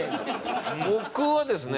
僕はですね